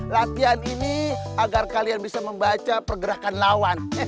latihan ini agar kalian bisa membaca pergerakan lawan